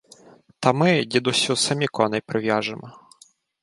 — Та ми, дідусю, самі коней прив'яжемо.